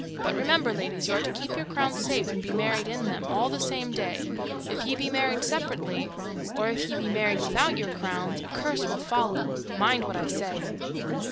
But remember, ladies, you are to keep your crows safe, and be married in them, all the same day. If you be married separately, or if you be married without your crowns, a curse will follow mind what I say.